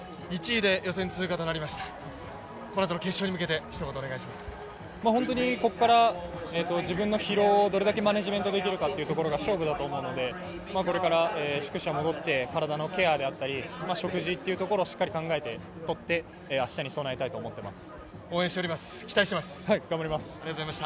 １位で予選通過となりました、このあとの決勝に向けてここから自分の疲労をどれだけマネージメントできるかというところが勝負だと思うのでこれから宿舎に戻って体のケアであったり食事というところをしっかり考えて、とって明日に備えたいと思います。